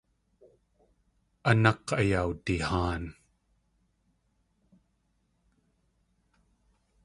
A nák̲ ayawdihaan.